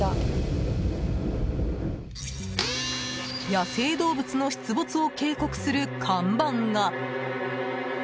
野生動物の出没を警告する看板が。